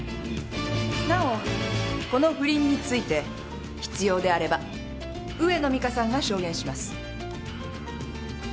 なおこの不倫について必要であれば上野美香さんが証言します。